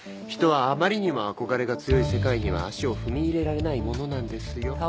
人はあまりにも憧れが強い世界には足を踏み入れられないものなんですよ。